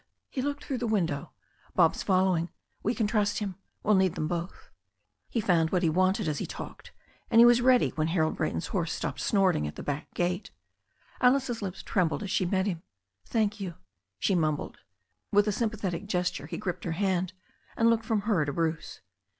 He looked through the window. "Bob's following. We can trust him. We'll need them both." He found what he wanted as he talked, and he was ready when Harold Brayton's horse stopped snorting at the back gate. Alice's lips trembled as she met him. "Thank you," she mumbled. With a sympathetic gesture he gripped her hand^ and looked from'^her to Bruce.